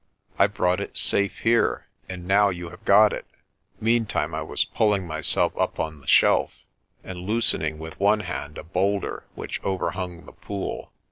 I brought it safe here, and now you have got it." Meantime I was pulling myself up on the shelf, and loosening with one hand a boulder which overhung the pool.